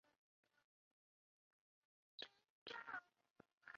斯特劳姆文明圈的人造语言的名称。